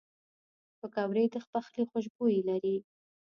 پکورې د پخلي خوشبویي لري